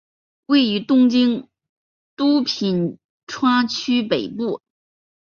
位于东京都品川区北部。